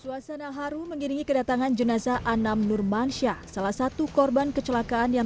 suasana haru mengiringi kedatangan jenazah anam nurmansyah salah satu korban kecelakaan yang